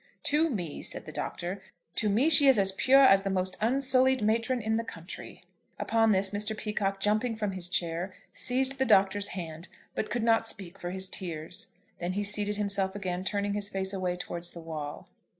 "To me," said the Doctor, "to me she is as pure as the most unsullied matron in the country." Upon this Mr. Peacocke, jumping from his chair, seized the Doctor's hand, but could not speak for his tears; then he seated himself again, turning his face away towards the wall.